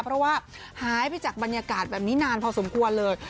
เพราะว่าหายไปจากบรรยากาศแบบนี้นานพอสมควรเลย